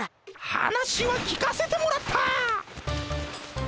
話は聞かせてもらった。